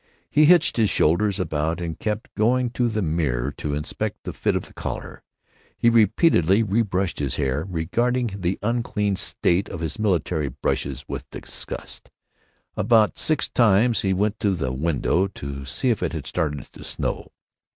He hitched his shoulders about and kept going to the mirror to inspect the fit of the collar. He repeatedly re brushed his hair, regarding the unclean state of his military brushes with disgust. About six times he went to the window to see if it had started to snow.